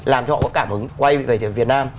làm cho họ có cảm hứng quay về việt nam